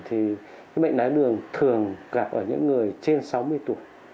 thì bệnh đáy đường thường gặp ở những người trên sáu mươi tuổi